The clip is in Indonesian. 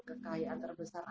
kekayaan terbesar adalah